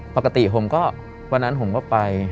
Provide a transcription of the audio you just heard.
ปกติผมก็วันนั้นผมก็ไป